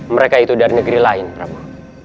mereka itu dari negeri lain prabu